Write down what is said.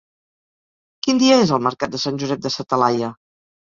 Quin dia és el mercat de Sant Josep de sa Talaia?